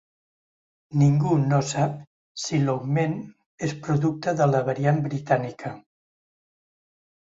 Ningú no sap si l’augment és producte de la variant britànica.